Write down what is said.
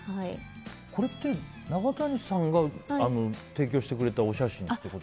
これって、中谷さんが提供してくれたお写真ってこと？